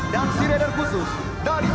dan sea radar khusus dari